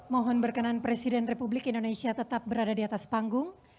mohon berkenan presiden republik indonesia tetap berada di atas panggung